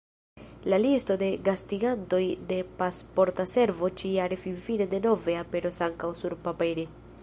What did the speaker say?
La listo de gastigantoj de Pasporta Servo ĉi-jare finfine denove aperos ankaŭ surpapere.